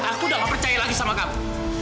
aku udah gak percaya lagi sama kamu